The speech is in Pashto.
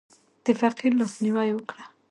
د فقیر لاس نیوی وکړه.